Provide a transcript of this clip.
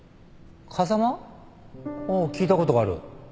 ああ聞いたことがある。